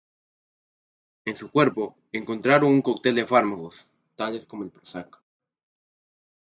En su cuerpo encontraron un cóctel de fármacos, tales como el Prozac.